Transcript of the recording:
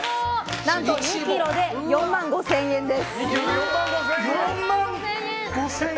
何と２ｋｇで４万５０００円です。